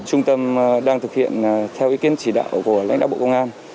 trung tâm đang thực hiện theo ý kiến chỉ đạo của lãnh đạo bộ công an